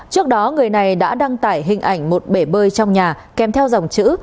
trước đó người này đã đăng tải hình ảnh một bể bơi trong nhà kèm theo dòng chữ